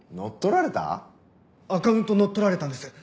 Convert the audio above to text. アカウント乗っ取られたんです。